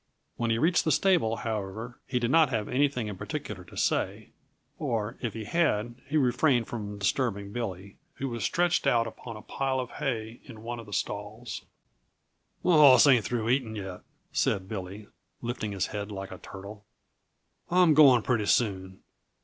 When he reached the stable, however, he did not have anything in particular to say or if he had, he refrained from disturbing Billy, who was stretched out upon a pile of hay in one of the stalls. "My hoss ain't through eating, yet," said Billy, lifting his head like a turtle. "I'm going, pretty soon.